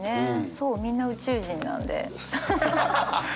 そうみんな宇宙人なんで。